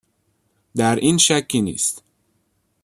در این شکی نیست.